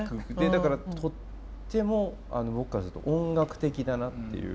だからとっても僕からすると音楽的だなっていう。